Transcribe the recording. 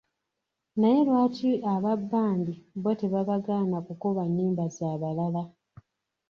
Naye lwaki aba bbandi bo tebabagaana kukuba nnyimba z'abalala.